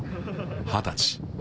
二十歳。